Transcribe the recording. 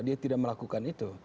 dia tidak melakukan itu